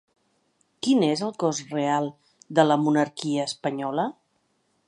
Quin és el cost real de la monarquia espanyola?